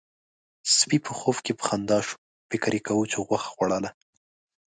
سپي په خوب کې په خندا شو، فکر يې کاوه چې غوښه خوړله.